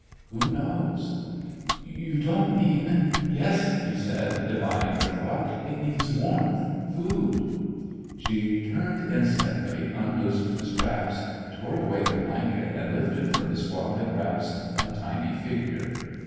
Who knows? "You don't mean—'* "Yes," he said, divining her thought, "it needs warmth, food —" She turned instantly, unloosed the straps, tore away the blanket, and lifted from the swaddling wraps a tiny figure.